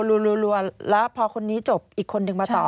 รัวแล้วพอคนนี้จบอีกคนนึงมาต่อ